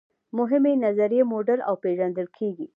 مهمې نظریې موډل او پیژندل کیږي.